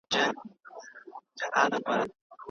مریان د سختو کارونو لپاره ګمارل کیږي.